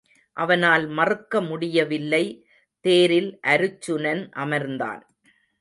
அவனால் மறுக்க முடியவில்லை தேரில் அருச்சுனன் அமர்ந்தான்.